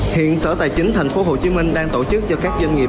hiện sở tài chính thành phố hồ chí minh đang tổ chức cho các doanh nghiệp